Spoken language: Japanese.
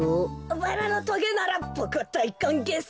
バラのトゲならボクはだいかんげいさ。